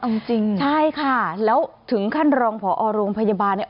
เอาจริงจริงใช่ค่ะแล้วถึงขั้นรองผอโรงพยาบาลเนี่ย